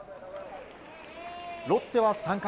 ロッテは３回。